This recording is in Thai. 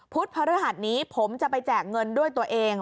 พระรหัสนี้ผมจะไปแจกเงินด้วยตัวเอง